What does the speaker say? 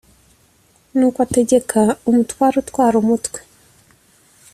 nuko ategeka umutware utwara umutwe